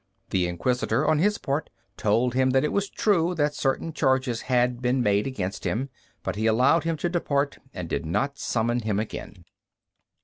The Inquisitor on his part told him that it was true that certain charges had been made against him, but he allowed him to depart, and did not summon him again.